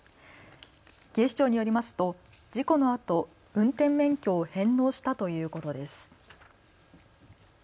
警視庁によりますと事故のあと、運転免許を返納したということです。